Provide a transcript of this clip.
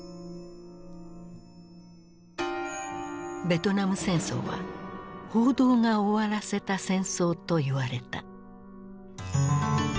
ベトナム戦争は「報道が終わらせた戦争」といわれた。